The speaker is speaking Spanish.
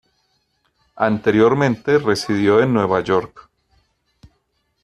Anteriormente residió en Nueva York.